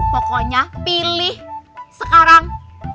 pokoknya pilih sekarang